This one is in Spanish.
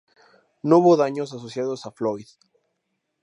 No hubo daños asociados a Floyd.